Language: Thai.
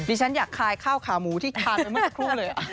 ดิฉันอยากคลายข้าวขาหมูที่คลายไปเมื่อสัปถาพเลย